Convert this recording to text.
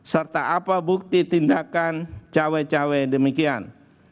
serta apa bukti tindakan cawe cawe demikian